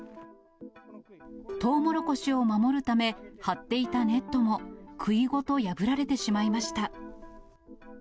トウモロコシを守るため、張っていたネットもくいごと破られてしまいました。